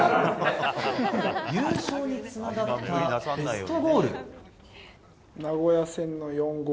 優勝につながったベストゴールは。